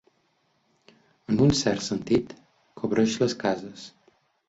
En un cert sentit, cobreix les cases.